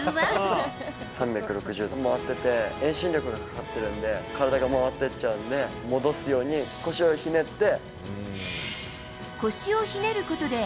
３６０度回ってて、遠心力がかかってるんで、体が回ってっちゃうんで、戻すように腰をひねって。